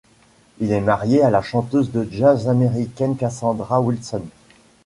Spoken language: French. Il est marié à la chanteuse de jazz américaine Cassandra Wilson.